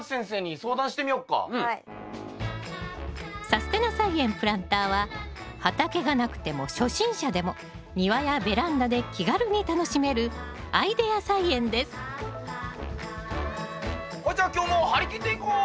「さすてな菜園プランター」は畑がなくても初心者でも庭やベランダで気軽に楽しめるアイデア菜園ですほいじゃあ今日も張り切っていこう！